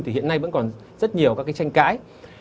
thì hiện nay vẫn còn rất nhiều các cái tranh cãi